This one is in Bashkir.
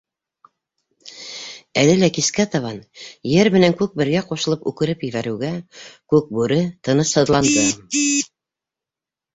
Әле лә, кискә табан, Ер менән Күк бергә ҡушылып үкереп ебәреүгә, Күкбүре тынысһыҙланды.